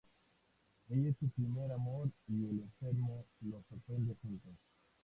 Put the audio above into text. Ella es su primer amor y el enfermo los sorprende juntos.